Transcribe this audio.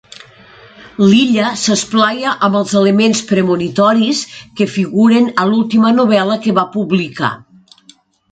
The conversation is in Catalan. L'Illa s'esplaia amb els elements premonitoris que figuren a l'última novel·la que va publicar.